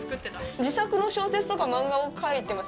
自作の小説とか漫画を書いてました。